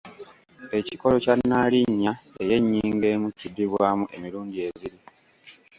Ekikolo kya nnaalinnya ey’ennyingo emu kiddibwamu emirundi ebiri.